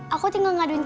aku tinggal ngeselinnya